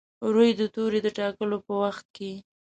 روي د توري د ټاکلو په وخت کې.